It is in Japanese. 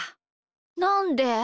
なんで？